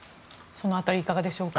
その辺りいかがでしょうか？